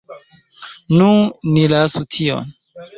Nu, ni lasu tion.